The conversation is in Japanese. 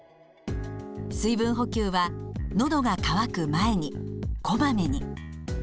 水分補給は「のどが渇く前に」「こまめに」。